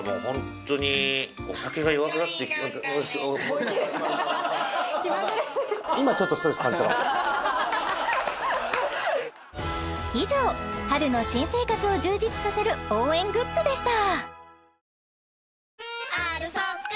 はい気まぐれ以上春の新生活を充実させる応援グッズでした